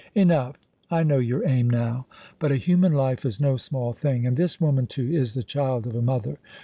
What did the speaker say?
"Enough! I know your aim now. But a human life is no small thing, and this woman, too, is the child of a mother.